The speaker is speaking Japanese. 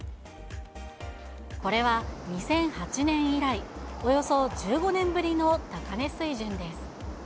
これは２００８年以来、およそ１５年ぶりの高値水準です。